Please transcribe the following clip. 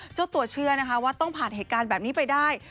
เจ้าตัวเชื่อนะคะว่าต้องผ่านเหตุการณ์แบบนี้ไปได้